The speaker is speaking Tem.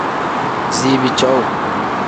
Ziibi cowuu.